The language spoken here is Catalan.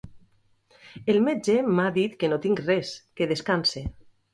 El metge m'ha dit que no tinc res, que descanse.